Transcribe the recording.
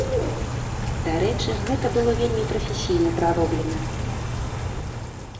Дарэчы, гэта было вельмі прафесійна прароблена.